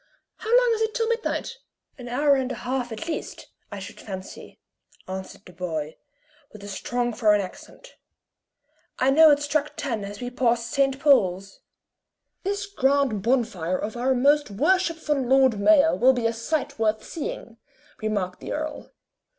How long is it till midnight?" "An hour and a half at least, I should fancy," answered the boy, with a strong foreign accent. "I know it struck ten as we passed St. Paul's." "This grand bonfire of our most worshipful Lord Mayor will be a sight worth seeing," remarked the earl.